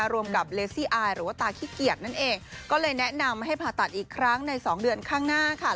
รวมกับเลซี่อายหรือว่าตาขี้เกียจนั่นเองก็เลยแนะนำให้ผ่าตัดอีกครั้งในสองเดือนข้างหน้าค่ะ